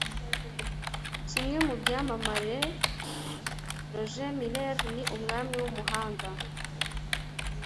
kimwe mu byamamare roger miller ni umwami wumuhanda